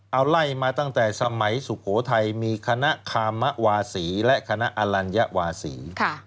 เอาไล่มาตั้งแต่สมัยสุโขทัยมีคณะคามวาศีและคณะอลัญวาศี